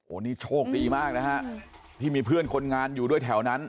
อันนี้โชคดีมากนะฮะที่มีเพื่อนคนงานอยู่ด้วยแถวนั้น